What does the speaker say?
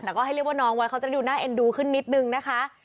แต่ก็ให้เรียกว่าน้องไว้เขาจะได้ดูหน้าเอ็นดูขึ้นนิดนึงนะคะ